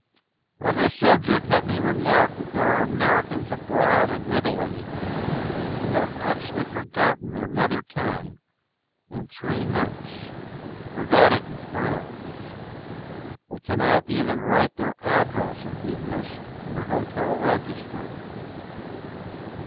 On this subject let me remark that there are Americans abroad in Italy who have actually forgotten their mother tongue in three months forgot it in France. They can not even write their address in English in a hotel register.